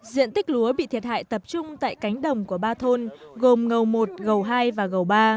diện tích lúa bị thiệt hại tập trung tại cánh đồng của ba thôn gồm ngầu một gầu hai và gầu ba